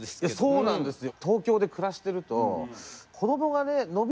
そうなんですよ。